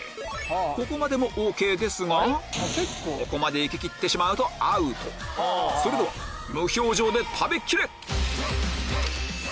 ここまでもＯＫですがここまで行ききってしまうとアウトそれでは無表情で食べきれ！